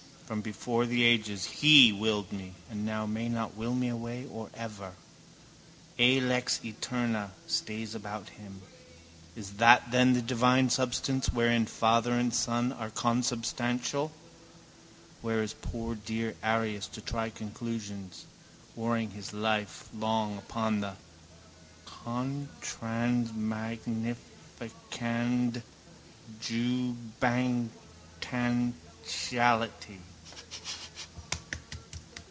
From before the ages He willed me and now may not will me away or ever. A lex eterna stays about Him. Is that then the divine substance wherein Father and Son are consubstantial? Where is poor dear Arius to try conclusions? Warring his life long upon the contransmagnificandjewbangtantiality.